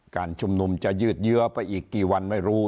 การชุมนุมจะยืดเยื้อไปอีกกี่วันไม่รู้